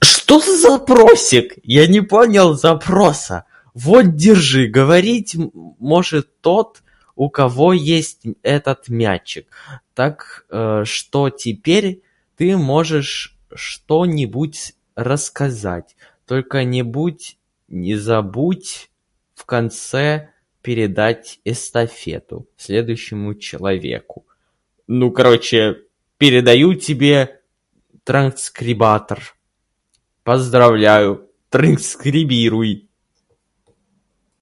"Что это за вопросик? Я не понял запроса. ""Вот, держи. Говорить м- м- может тот, у кого есть, [disfluency|м], этот мячик. Так что теперь ты можешь что-нибудь рассказать. Только не будь не забудь в конце передать эстафету следующему человеку"". Ну, короче, передаю тебе, транскрибатор. Поздравляю, транскрибируй!"